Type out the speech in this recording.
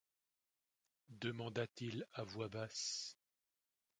demanda-t-il à voix basse.